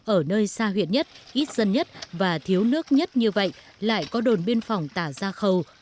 ở nơi xa huyện nhất ít dân nhất và thiếu nước nhất như vậy lại có đồn biên phòng tà gia khâu